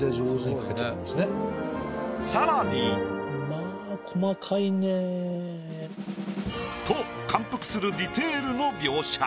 さらに。と感服するディテールの描写。